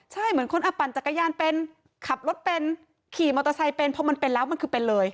ใช่เหมือนคนอ่ะปั่นจักรยานเป็นขับรถเป็นขี่มอเตอร์ไซค์เป็นเพราะมันเป็นแล้วมันคือเป็นเลย